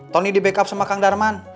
tony di backup sama kang darman